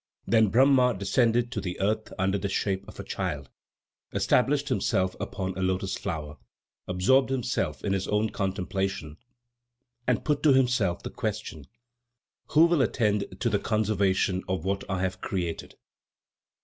Then Brahma descended to the earth under the shape of a child, established himself upon a lotus flower, absorbed himself in his own contemplation and put to himself the question: "Who will attend to the conservation of what I have created?"